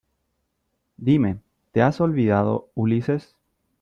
dime ,¿ te has olvidado , Ulises ?